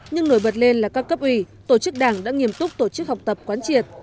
nhưng nổi bật lên là các cấp ủy tổ chức đảng đã nghiêm túc tổ chức học tập quán triệt